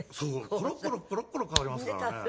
コロッコロコロッコロ変わりますからね。